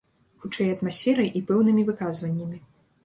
Хутчэй, атмасферай і пэўнымі выказваннямі.